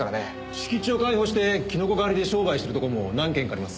敷地を開放してキノコ狩りで商売してるところも何軒かあります。